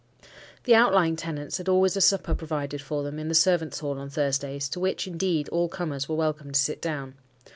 The outlying tenants had always a supper provided for them in the servants' hall on Thursdays, to which, indeed all comers were welcome to sit down.